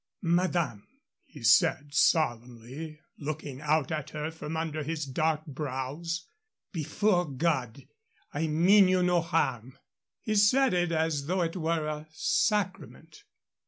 "Madame," he said, solemnly, looking out at her from under his dark brows, "before God, I mean you no harm!" He said it as though it were a sacrament.